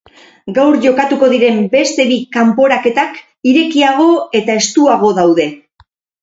Gaur jokatuko diren beste bi kanporaketak irekiago eta estuago daude.